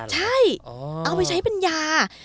ใช่เอาไปใช้ปัญญา